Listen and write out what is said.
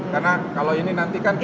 karena kalau ini nanti kan pakai